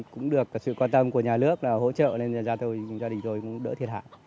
cũng được sự quan tâm của nhà nước là hỗ trợ nên gia đình tôi cũng đỡ thiệt hại